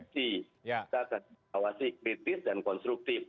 kita akan mengawasi kritis dan konstruktif